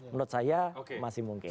menurut saya masih mungkin